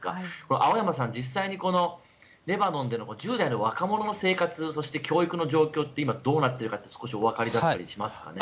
青山さん、実際にレバノンで１０代の若者の生活そして教育の状況って今どうなってるか少しお分かりだったりしますか。